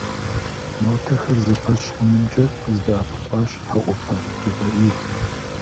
Нотэхэр зэпэщ хъунымкӀэ къыздэӀэпыкъуащ ХьэӀупэ ДжэбрэӀил.